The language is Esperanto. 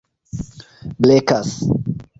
blekas